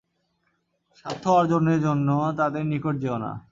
স্বার্থ অর্জনের জন্য তাদের নিকট যেয়ো না।